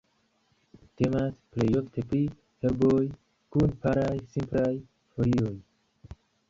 Temas plejofte pri herboj kun paraj, simplaj folioj.